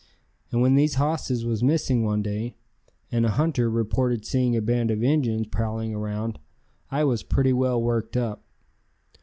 And when these hosses was missing one day and a hunter reported seeing a band of Injuns prowling around, I was pretty well worked up.